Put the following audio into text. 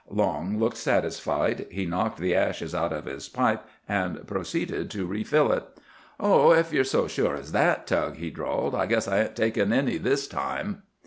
Long looked satisfied. He knocked the ashes out of his pipe and proceeded to refill it. "Oh, ef ye're so sure as that, Tug," he drawled, "I guess I ain't takin' any this time."